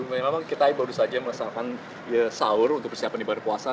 memang kita baru saja melaksanakan sahur untuk persiapan ibadah puasa